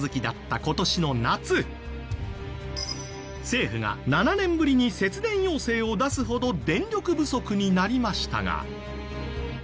政府が７年ぶりに節電要請を出すほど電力不足になりましたが。